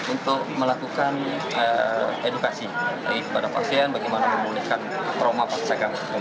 untuk melakukan edukasi kepada pasien bagaimana memulihkan trauma pasien yang tergumpain